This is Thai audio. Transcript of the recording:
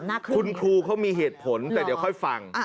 ๓หน้าครึ่งคุณครูเขามีเหตุผลแต่เดี๋ยวค่อยฟัง